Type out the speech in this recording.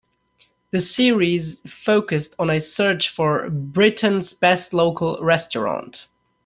The series focused on a search for "Britain's best local restaurant".